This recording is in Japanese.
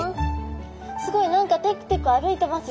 すごい。何かテクテク歩いてますよ。